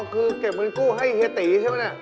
อ๋อคือเก็บเงินกู้ให้เฮียตีใช่ไหมนะ